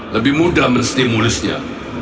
lebih mudah menstimulusnya